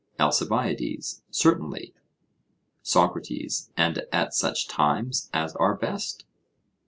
ALCIBIADES: Certainly. SOCRATES: And at such times as are best?